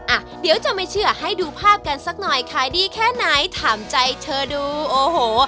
อ่ะเดี๋ยวจะไม่เชื่อให้ดูภาพกันสักหน่อยขายดีแค่ไหนถามใจเธอดูโอ้โห